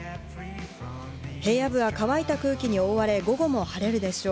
平野部は乾いた空気に覆われ、午後も晴れるでしょう。